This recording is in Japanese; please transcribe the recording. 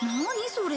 それ。